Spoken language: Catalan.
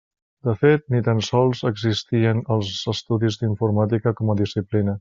De fet, ni tan sols existien els estudis d'Informàtica com a disciplina.